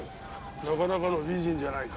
なかなかの美人じゃないか。